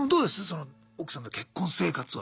その奥さんと結婚生活は。